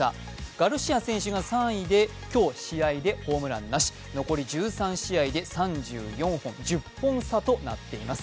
ガルシア選手が３位で、今日、試合でホームランなし、残り１３試合で３４本、１０本差となっています。